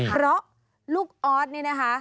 เพราะลูกออสนี่นะคะ